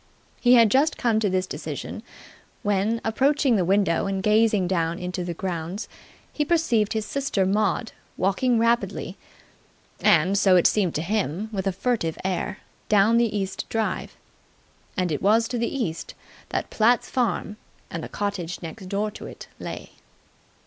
He had just come to this decision, when, approaching the window and gazing down into the grounds, he perceived his sister Maud walking rapidly and, so it seemed to him, with a furtive air down the east drive. And it was to the east that Platt's farm and the cottage next door to it lay.